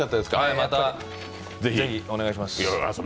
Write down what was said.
またぜひお願いします。